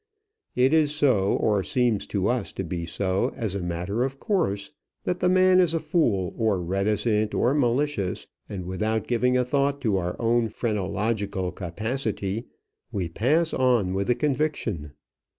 It is so, or seems to us to be so, as a matter of course, that the man is a fool, or reticent, or malicious; and, without giving a thought to our own phrenological capacity, we pass on with the conviction.